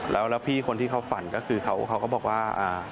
แล้วพี่คนที่เขาฝันก็คือเขาก็บอกว่า